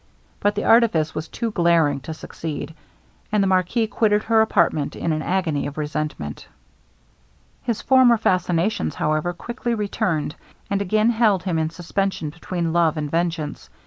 But the artifice was too glaring to succeed; and the marquis quitted her apartment in an agony of resentment. His former fascinations, however, quickly returned, and again held him in suspension between love and vengeance.